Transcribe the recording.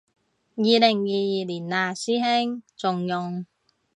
二零二二年嘞師兄，仲用